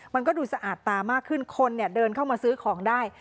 มันก็ดูสะอาดตามากขึ้นคนเนี่ยเดินเข้ามาซื้อของได้